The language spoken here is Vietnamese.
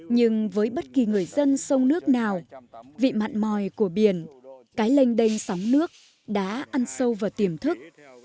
nhưng với bất kỳ người dân sông nước nào vị mặn mòi của biển cái lênh đênh sóng nước đã ăn sâu vào tiềm thức